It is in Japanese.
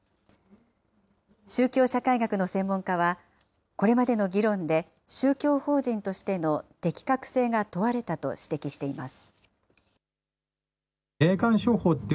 宗教社会学の専門家は、これまでの議論で宗教法人としての適格性が問われたと指摘しています。